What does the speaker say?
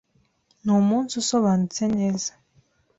Numunsi usobanutse neza.